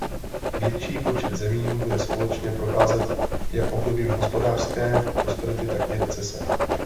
Větší počet zemí bude společně procházet jak obdobím hospodářské prosperity tak i recese.